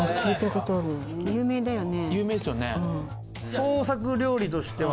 有名だよね？